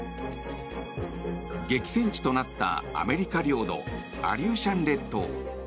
激戦地となったアメリカ領土アリューシャン列島。